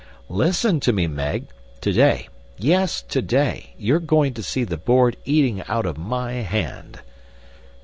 "Listen to me, Meg. Today yes, today! you're going to see the Board eating out of my hand."